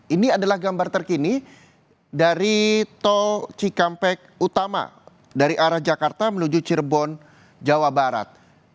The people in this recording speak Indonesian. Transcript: ini adalah gambar terkini dari tol cikampek utama dari arah jakarta menuju cirebon jawa barat